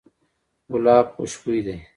ګلاب خوشبوی دی.